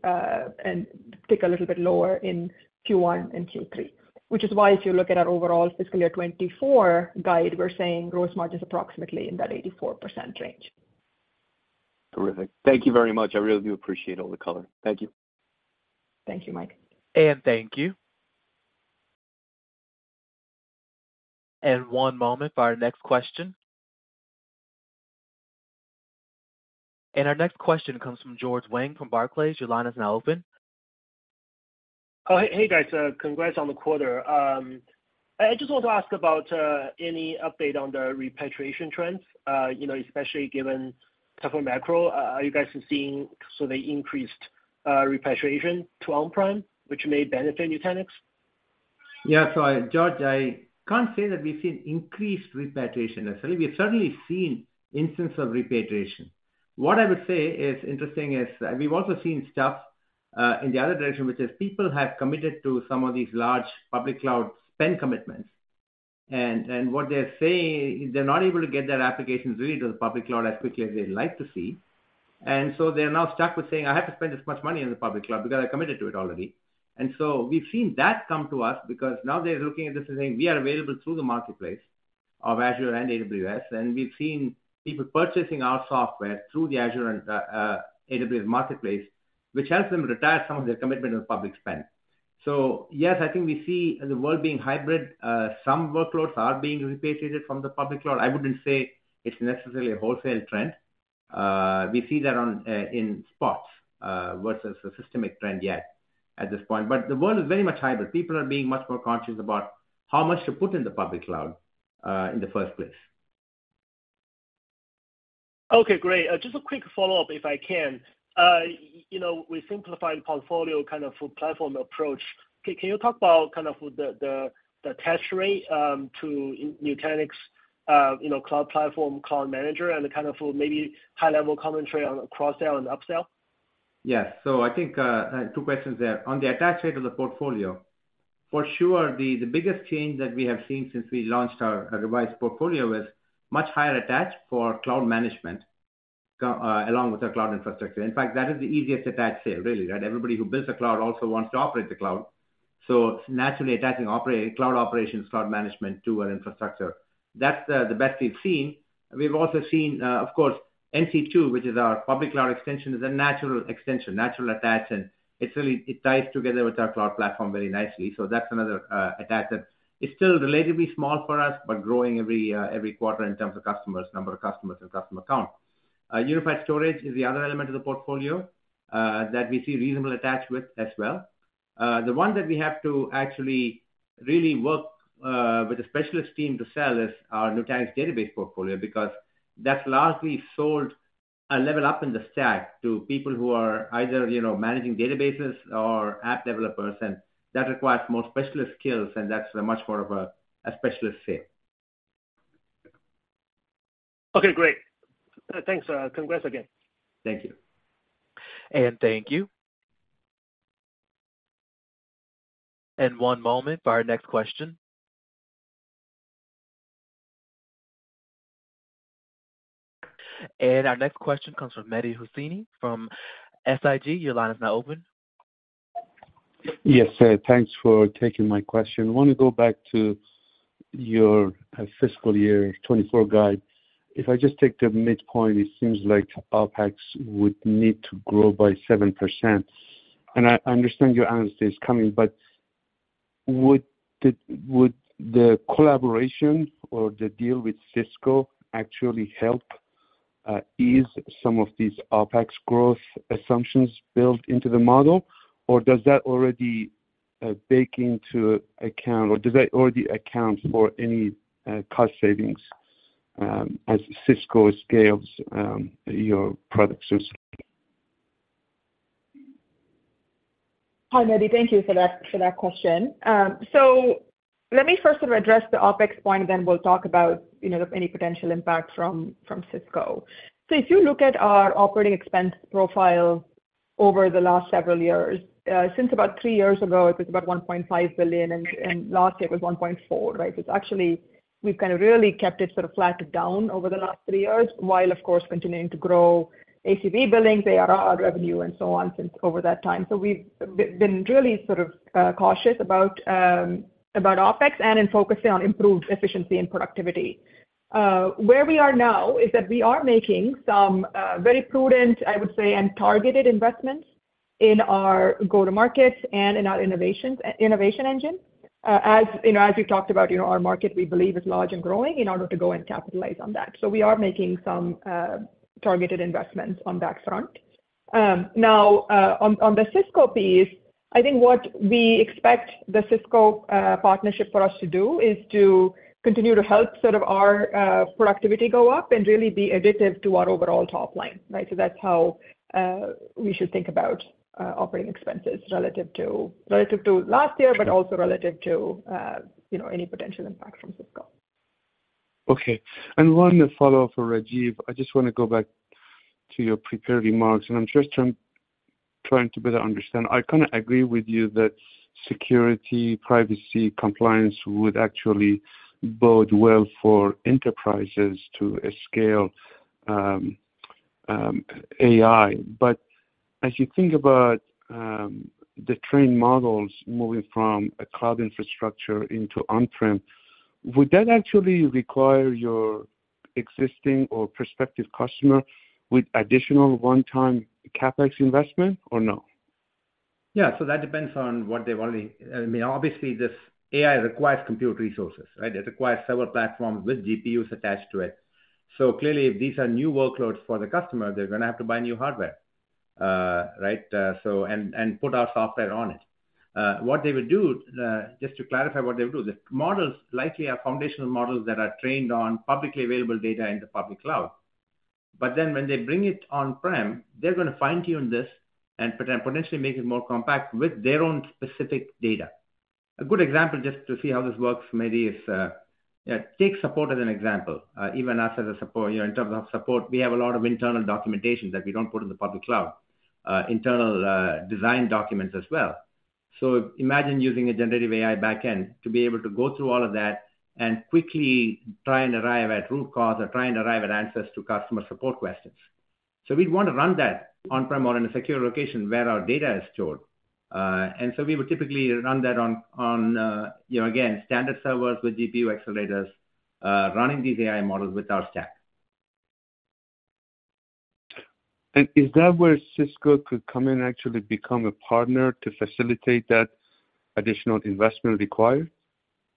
and tick a little bit lower in Q1 and Q3, which is why if you look at our overall fiscal year 2024 guide, we're saying gross margin is approximately in that 84% range. Terrific. Thank you very much. I really do appreciate all the color. Thank you. Thank you, Mike. Thank you. One moment for our next question. Our next question comes from George Wang from Barclays. Your line is now open. Oh, hey, guys, congrats on the quarter. I just want to ask about any update on the repatriation trends, you know, especially given tougher macro. Are you guys seeing the increased repatriation to on-prem, which may benefit Nutanix? Yeah. So George, I can't say that we've seen increased repatriation necessarily. We've certainly seen instances of repatriation. What I would say is interesting is, we've also seen stuff in the other direction, which is people have committed to some of these large public cloud spend commitments. And what they're saying is they're not able to get their applications really to the public cloud as quickly as they'd like to see. And so they're now stuck with saying, "I have to spend this much money on the public cloud because I committed to it already." And so we've seen that come to us because now they're looking at this and saying, we are available through the marketplace of Azure and AWS, and we've seen people purchasing our software through the Azure and AWS marketplace, which helps them retire some of their commitment to the public spend. So yes, I think we see the world being hybrid. Some workloads are being repatriated from the public cloud. I wouldn't say it's necessarily a wholesale trend. We see that in spots, versus a systemic trend yet at this point. But the world is very much hybrid. People are being much more conscious about how much to put in the public cloud, in the first place. Okay, great. Just a quick follow-up, if I can. You know, with simplified portfolio kind of full platform approach, can you talk about kind of the attach rate to Nutanix Cloud Platform, Cloud Manager, and the kind of maybe high-level commentary on cross-sell and upsell? Yes. So I think two questions there. On the attach side of the portfolio, for sure, the biggest change that we have seen since we launched our revised portfolio is much higher attach for cloud management, along with our Cloud Infrastructure. In fact, that is the easiest attach sale really, right? Everybody who builds a cloud also wants to operate the cloud, so naturally attaching cloud operations, cloud management to our infrastructure. That's the best we've seen. We've also seen, of course, NC2, which is our public cloud extension, is a natural extension, natural attach, and it's really it ties together with our Cloud Platform very nicely. So that's another attach that is still relatively small for us, but growing every quarter in terms of customers, number of customers and customer count. Unified storage is the other element of the portfolio that we see reasonable attach with as well. The one that we have to actually really work with a specialist team to sell is our Nutanix database portfolio, because that's largely sold a level up in the stack to people who are either, you know, managing databases or app developers, and that requires more specialist skills, and that's much more of a specialist sale. Okay, great. Thanks. Congrats again. Thank you. Thank you. One moment for our next question. Our next question comes from Mehdi Hosseini from SIG. Your line is now open. Yes, thanks for taking my question. I want to go back to your fiscal year 2024 guide. If I just take the midpoint, it seems like OpEx would need to grow by 7%. And I understand your answer is coming, but would the collaboration or the deal with Cisco actually help ease some of these OpEx growth assumptions built into the model? Or does that already bake into account, or does that already account for any cost savings as Cisco scales your product suite? Hi, Mehdi. Thank you for that question. So let me first sort of address the OpEx point, then we'll talk about, you know, any potential impact from Cisco. So if you look at our operating expense profile over the last several years. Since about three years ago, it was about $1.5 billion, and last year it was $1.4 billion, right? It's actually, we've kind of really kept it sort of flat to down over the last three years, while of course continuing to grow ACV billings, ARR revenue, and so on, since over that time. So we've been really sort of cautious about OpEx and in focusing on improved efficiency and productivity. Where we are now is that we are making some very prudent, I would say, and targeted investments in our go-to-markets and in our innovations, innovation engine. As you know, as we talked about, you know, our market, we believe, is large and growing in order to go and capitalize on that. So we are making some targeted investments on that front. Now, on the Cisco piece, I think what we expect the Cisco partnership for us to do is to continue to help sort of our productivity go up and really be additive to our overall top line, right? So that's how we should think about operating expenses relative to last year, but also relative to you know, any potential impact from Cisco. Okay. One follow-up for Rajiv. I just want to go back to your prepared remarks, and I'm just trying to better understand. I kind of agree with you that security, privacy, compliance would actually bode well for enterprises to scale AI. But as you think about the trained models moving from a cloud infrastructure into on-prem, would that actually require your existing or prospective customer with additional one-time CapEx investment, or no? Yeah, so that depends on what they've already... I mean, obviously, this AI requires compute resources, right? It requires server platforms with GPUs attached to it. So clearly, if these are new workloads for the customer, they're gonna have to buy new hardware, right, so and put our software on it. What they would do, just to clarify what they would do, the models likely are foundational models that are trained on publicly available data in the public cloud. But then when they bring it on-prem, they're gonna fine-tune this and potentially make it more compact with their own specific data. A good example, just to see how this works, maybe, is take support as an example. Even us as a support, you know, in terms of support, we have a lot of internal documentation that we don't put in the public cloud, internal, design documents as well. So imagine using a generative AI backend to be able to go through all of that and quickly try and arrive at root cause or try and arrive at answers to customer support questions. So we'd want to run that on-prem or in a secure location where our data is stored. And so we would typically run that on, you know, again, standard servers with GPU accelerators, running these AI models with our stack. Is that where Cisco could come in, actually become a partner to facilitate that additional investment required?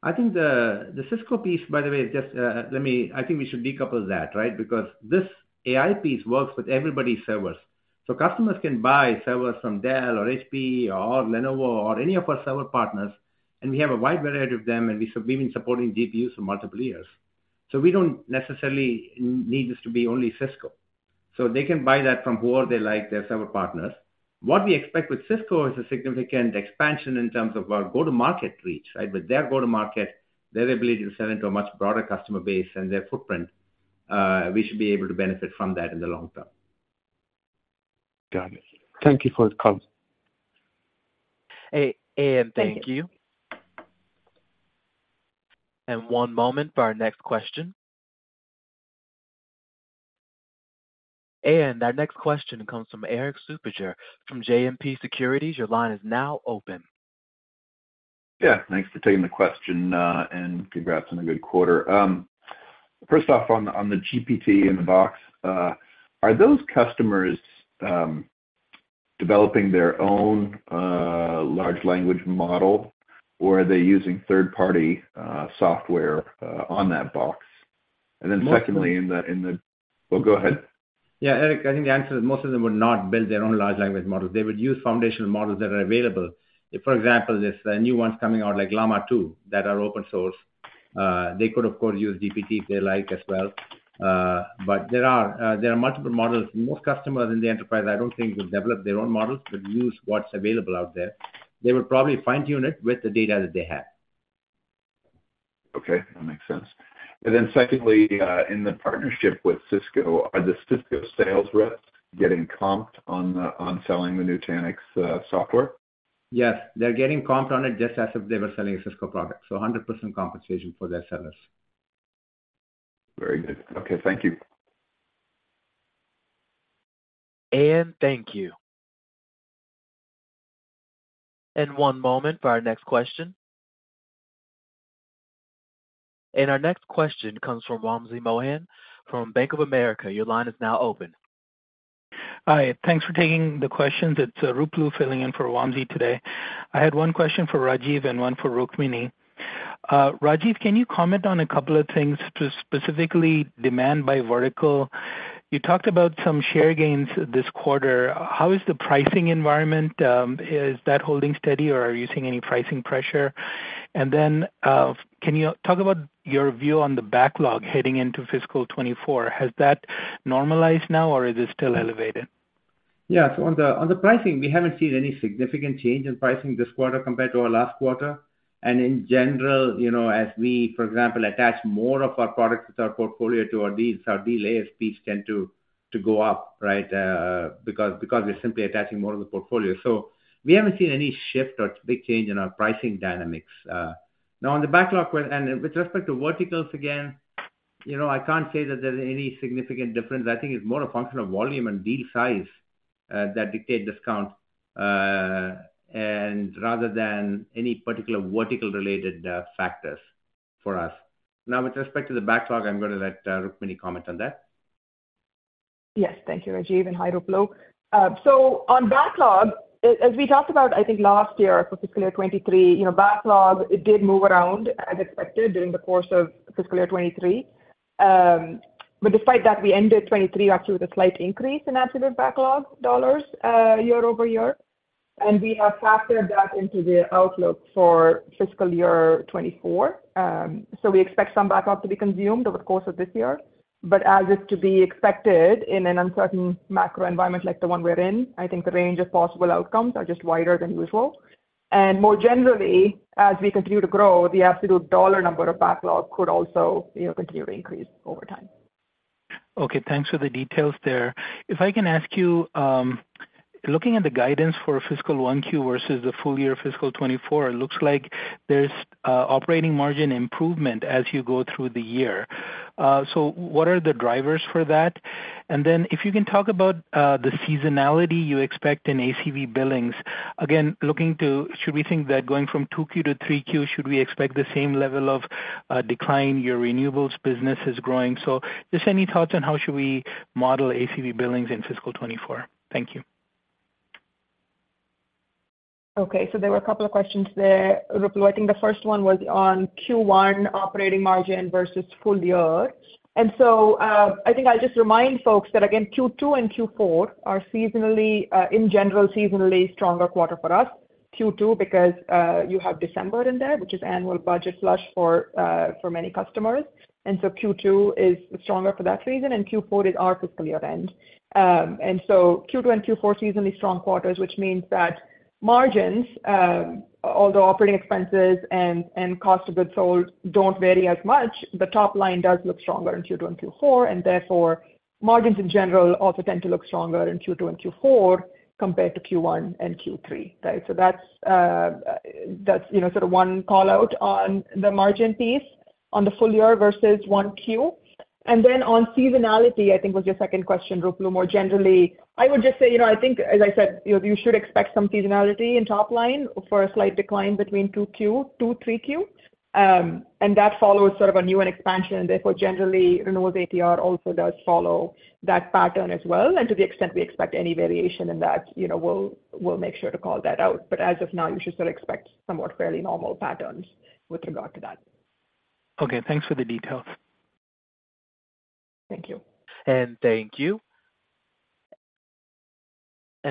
I think the Cisco piece, by the way, is just... I think we should decouple that, right? Because this AI piece works with everybody's servers. So customers can buy servers from Dell or HP or Lenovo or any of our server partners, and we have a wide variety of them, and we've been supporting GPUs for multiple years. So we don't necessarily need this to be only Cisco. So they can buy that from whoever they like, their server partners. What we expect with Cisco is a significant expansion in terms of our go-to-market reach, right? With their go-to-market, their ability to sell into a much broader customer base and their footprint, we should be able to benefit from that in the long term. Got it. Thank you for the call. And, thank you. One moment for our next question. And, our next question comes from Erik Suppiger from JMP Securities. Your line is now open. Yeah, thanks for taking the question, and congrats on a good quarter. First off, on, on the GPT-in-a-Box, are those customers developing their own large language model, or are they using third-party software on that box? And then secondly, in the—well, go ahead. Yeah, Erik, I think the answer is most of them would not build their own large language models. They would use foundational models that are available. For example, there's new ones coming out, like Llama 2, that are open source. They could, of course, use GPT if they like as well. But there are multiple models. Most customers in the enterprise, I don't think, would develop their own models, but use what's available out there. They would probably fine-tune it with the data that they have. Okay, that makes sense. Secondly, in the partnership with Cisco, are the Cisco sales reps getting comped on selling the Nutanix software? Yes, they're getting comped on it just as if they were selling a Cisco product, so 100% compensation for their sellers. Very good. Okay, thank you. And, thank you. One moment for our next question. Our next question comes from Wamsi Mohan from Bank of America. Your line is now open. Hi, thanks for taking the questions. It's Ruplu filling in for Wamsi today. I had one question for Rajiv and one for Rukmini. Rajiv, can you comment on a couple of things to specifically demand by vertical? You talked about some share gains this quarter. How is the pricing environment, is that holding steady, or are you seeing any pricing pressure? And then, can you talk about your view on the backlog heading into fiscal 2024? Has that normalized now, or is it still elevated? Yeah. So on the pricing, we haven't seen any significant change in pricing this quarter compared to our last quarter. And in general, you know, as we, for example, attach more of our products with our portfolio to our deals, our deal ASPs tend to go up, right? Because we're simply attaching more of the portfolio. So we haven't seen any shift or big change in our pricing dynamics. Now on the backlog, and with respect to verticals, again, you know, I can't say that there's any significant difference. I think it's more a function of volume and deal size that dictate discount, and rather than any particular vertical related factors for us. Now, with respect to the backlog, I'm gonna let Rukmini comment on that. Yes, thank you, Rajiv, and hi, Ruplu. So on backlog, as we talked about, I think last year for fiscal year 2023, you know, backlog, it did move around as expected during the course of fiscal year 2023. But despite that, we ended 2023 actually with a slight increase in absolute backlog dollars, year over year. And we have factored that into the outlook for fiscal year 2024. So we expect some backlog to be consumed over the course of this year. But as is to be expected in an uncertain macro environment like the one we're in, I think the range of possible outcomes are just wider than usual. And more generally, as we continue to grow, the absolute dollar number of backlog could also, you know, continue to increase over time. Okay, thanks for the details there. If I can ask you, looking at the guidance for fiscal 1Q versus the full year fiscal 2024, it looks like there's operating margin improvement as you go through the year. So what are the drivers for that? And then if you can talk about the seasonality you expect in ACV billings. Again, looking to should we think that going from 2Q to 3Q, should we expect the same level of decline? Your renewals business is growing. So just any thoughts on how should we model ACV billings in fiscal 2024? Thank you. Okay, so there were a couple of questions there, Ruplu. I think the first one was on Q1 operating margin versus full year. And so, I think I'll just remind folks that again, Q2 and Q4 are seasonally, in general, seasonally stronger quarter for us. Q2, because, you have December in there, which is annual budget flush for, for many customers, and so Q2 is stronger for that reason, and Q4 is our fiscal year-end. And so Q2 and Q4, seasonally strong quarters, which means that margins, although operating expenses and, and cost of goods sold don't vary as much, the top line does look stronger in Q2 and Q4, and therefore, margins in general also tend to look stronger in Q2 and Q4, compared to Q1 and Q3. Right? So that's, you know, sort of one call-out on the margin piece on the full year versus 1Q. And then on seasonality, I think was your second question, Ruplu, more generally, I would just say, you know, I think, as I said, you should expect some seasonality in top line for a slight decline between 2Q to 3Q. And that follows sort of a new expansion, and therefore generally, renewals ATR also does follow that pattern as well. And to the extent we expect any variation in that, you know, we'll make sure to call that out. But as of now, you should still expect somewhat fairly normal patterns with regard to that. Okay, thanks for the details. Thank you. Thank you.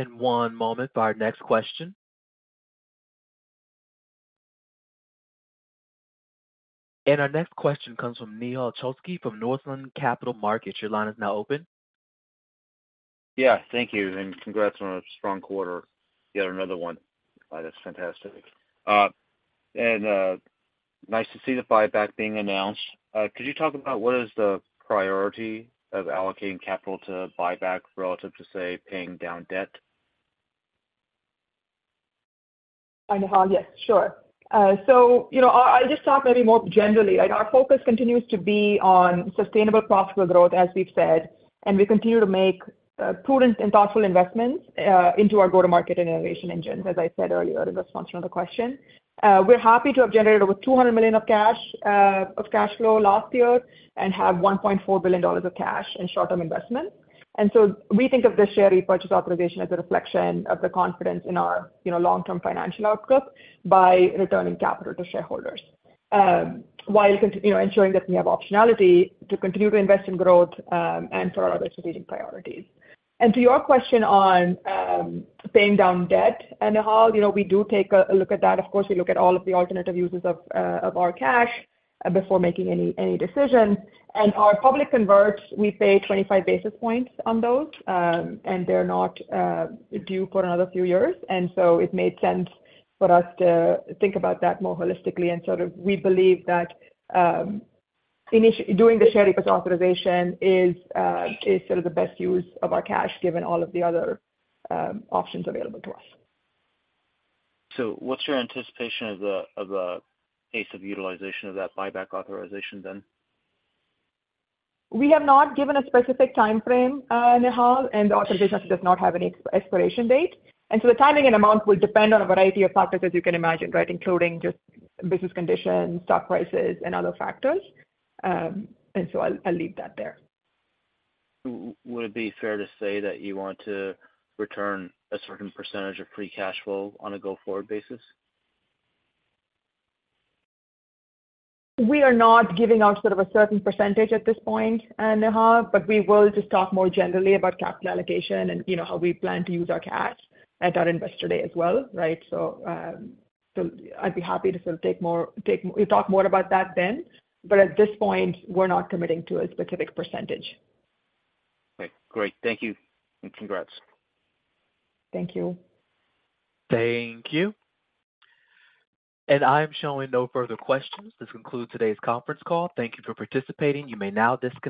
One moment for our next question. Our next question comes from Nehal Chokshi from Northland Capital Markets. Your line is now open. Yeah, thank you, and congrats on a strong quarter. Yet another one. That's fantastic. And, nice to see the buyback being announced. Could you talk about what is the priority of allocating capital to buyback relative to, say, paying down debt? Hi, Nehal. Yes, sure. So you know, I'll just talk maybe more generally. Like, our focus continues to be on sustainable profitable growth, as we've said, and we continue to make prudent and thoughtful investments into our go-to-market and innovation engines, as I said earlier, in response to another question. We're happy to have generated over $200 million of cash of cash flow last year and have $1.4 billion of cash in short-term investment. So we think of this share repurchase authorization as a reflection of the confidence in our you know, long-term financial outlook by returning capital to shareholders while you know, ensuring that we have optionality to continue to invest in growth and for our other strategic priorities. To your question on paying down debt, Nehal, you know, we do take a look at that. Of course, we look at all of the alternative uses of our cash before making any decision. And our public converts, we pay 25 basis points on those, and they're not due for another few years, and so it made sense for us to think about that more holistically. And sort of we believe that doing the share repurchase authorization is sort of the best use of our cash, given all of the other options available to us. What's your anticipation of the pace of utilization of that buyback authorization then? We have not given a specific timeframe, Nehal, and the authorization does not have any expiration date. And so the timing and amount will depend on a variety of factors, as you can imagine, right? Including just business conditions, stock prices, and other factors. And so I'll, I'll leave that there. Would it be fair to say that you want to return a certain percentage of free cash flow on a go-forward basis? We are not giving out sort of a certain percentage at this point, Nehal, but we will just talk more generally about capital allocation and, you know, how we plan to use our cash at our Investor Day as well, right? So, I'd be happy to sort of take more -- we'll talk more about that then, but at this point, we're not committing to a specific percentage. Okay, great. Thank you, and congrats. Thank you. Thank you. I'm showing no further questions. This concludes today's conference call. Thank you for participating. You may now disconnect.